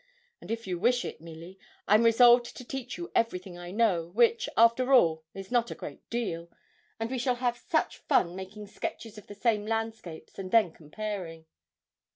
And if you wish it, Milly, I'm resolved to teach you everything I know, which, after all, is not a great deal, and we shall have such fun making sketches of the same landscapes, and then comparing.'